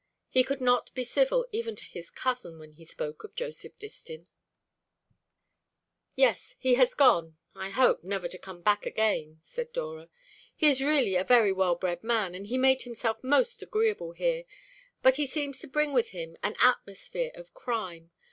He could not be civil even to his cousin when he spoke of Joseph Distin. "Yes, he has gone I hope, never to come back again," said Dora. "He is really a very well bred man, and he made himself most agreeable here; but he seemed to bring with him an atmosphere of crime.